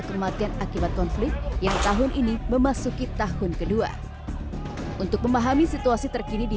kematian akibat konflik yang tahun ini memasuki tahun kedua untuk memahami situasi terkini di